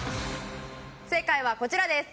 正解はこちらです。